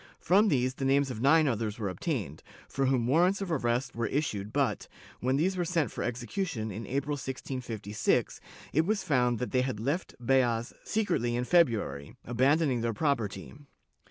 From these the names of nine others were obtained, for whom warrants of arrest were issued but, when these were sent for execution, in April, 1656, it was found that they had left Beas secretly in February, abandoning their property.